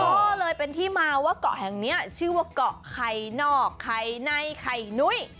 ก็เลยเป็นที่มาว่าเกาะแห่งนี้ชื่อว่าเกาะไข่นอกไข่ในไข่นุ้ย